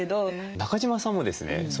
中島さんもですね